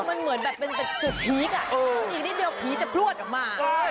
มันเหมือนแบบเป็นจุดพีคอีกนิดเดียวผีจะพลวดออกมา